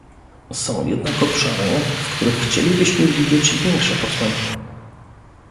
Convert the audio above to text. Są jednak obszary, w których chcielibyśmy widzieć większe postępy